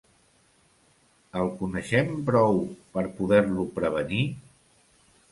El coneixem prou per poder-lo prevenir?